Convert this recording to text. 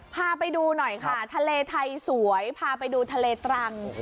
พาไปดูหน่อยค่ะทะเลไทยสวยพาไปดูทะเลตรัง